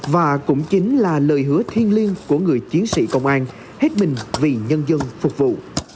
và cũng chính là lời hứa thiên liên của người chiến sĩ công an hết mình vì nhân dân phục vụ